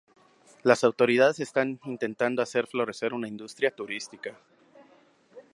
Las autoridades están intentando hacer florecer una industria turística.